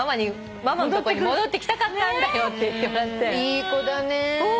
いい子だね。